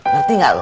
ngerti nggak lu